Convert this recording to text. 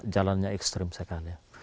jalannya ekstrim saya kira